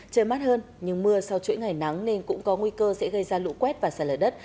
trời mát hơn nhưng mưa sau chuỗi ngày nắng nên cũng có nguy cơ sẽ gây ra lũ quét và xả lở đất